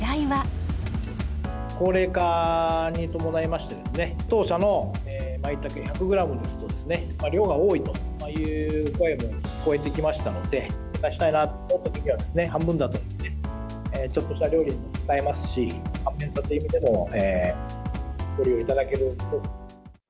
高齢化に伴いまして、当社のマイタケ１００グラムですと量が多いという声も聞こえてきましたので、つけたしたいなというときには、半分だとちょっとした料理にも使えますし、簡便さという意味でもご利用いただけると。